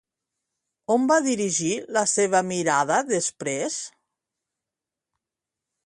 On va dirigir la seva mirada després?